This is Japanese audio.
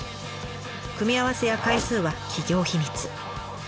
組み合わせや回数は企業秘密。